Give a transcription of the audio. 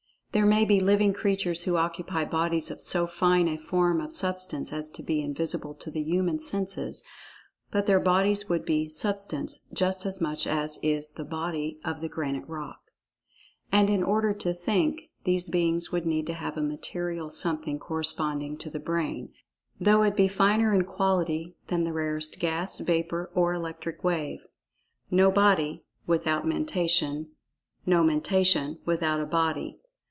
There may be living creatures who occupy bodies of so fine a form of Substance as to be invisible to the human senses—but their bodies would be "Substance" just as much as is the "body" of the granite rock. And, in order to "think," these beings would need to have a material something corresponding to the brain, though it be finer in quality than the rarest gas, vapor, of electric wave. No body, without Mentation; no Mentation without a body.